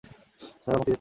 Sir, আমাকে যেতে দিন!